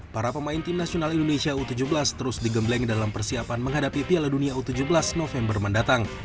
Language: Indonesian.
para pemain tim nasional indonesia u tujuh belas terus digembleng dalam persiapan menghadapi piala dunia u tujuh belas november mendatang